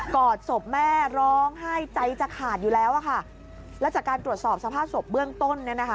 อดศพแม่ร้องไห้ใจจะขาดอยู่แล้วอ่ะค่ะแล้วจากการตรวจสอบสภาพศพเบื้องต้นเนี่ยนะคะ